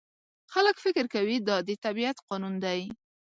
خلک فکر کوي دا د طبیعت قانون دی.